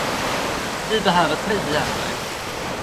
Vi behöver tre biljetter.